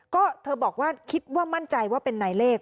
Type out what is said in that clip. ก็เธอบอกว่าคิดว่ามั่นใจว่าเป็นนายเลข